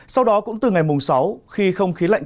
sau đó cũng từ ngày mùng sáu khi không khí lạnh